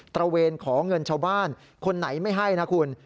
ระเวนขอเงินชาวบ้านคนไหนไม่ให้นะคุณ